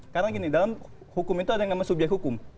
karena gini dalam hukum itu ada yang namanya subyek hukum